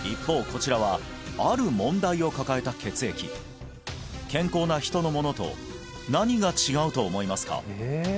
こちらはある問題を抱えた血液健康な人のものと何が違うと思いますか？